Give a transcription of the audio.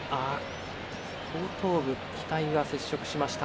後頭部、額が接触しました。